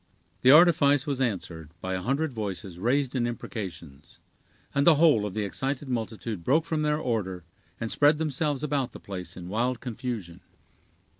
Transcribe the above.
The artifice was answered by a hundred voices raised in imprecations; and the whole of the excited multitude broke from their order, and spread themselves about the place in wild confusion.